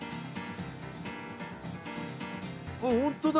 あっ本当だ！